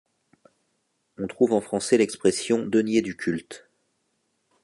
On trouve en français l'expression denier du culte.